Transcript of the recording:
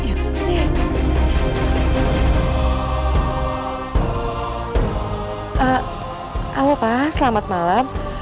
halo pak selamat malam